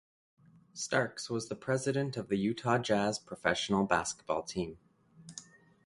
Starks was president of the Utah Jazz professional basketball team.